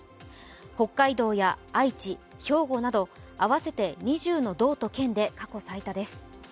北海道や愛知、兵庫など合わせて２０の道と県で過去最多です。